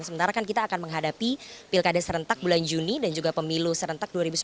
sementara kan kita akan menghadapi pilkada serentak bulan juni dan juga pemilu serentak dua ribu sembilan belas